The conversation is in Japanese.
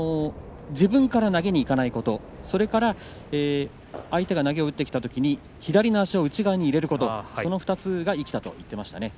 自分から投げにいかないことそれから相手が投げを打ってきたときに左の足を内側に入れることその２つが生きたと言っていました。